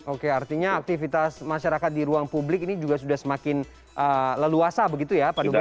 oke artinya aktivitas masyarakat di ruang publik ini juga sudah semakin leluasa begitu ya pak dubes